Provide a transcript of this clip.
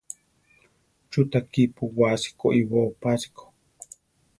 Chú ta kípu wási koʼibóo pásiko?